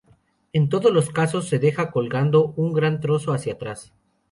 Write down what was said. En todos los casos, se deja colgando un gran trozo hacia atrás.